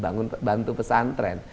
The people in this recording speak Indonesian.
bangun bantu pesantren